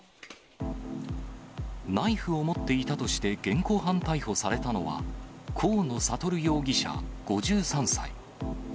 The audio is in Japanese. ナイフを持っていたとして現行犯逮捕されたのは、河野智容疑者５３歳。